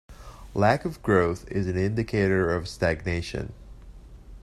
Lack of growth is an indicator of stagnation.